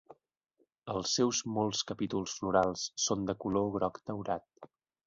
Els seus molts capítols florals són de color groc daurat.